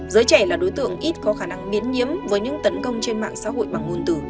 giới trẻ là đối tượng ít có khả năng miến nhiếm với những tấn công trên mạng xã hội bằng nguồn từ